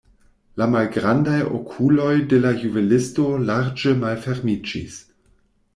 La malgrandaj okuloj de la juvelisto larĝe malfermiĝis.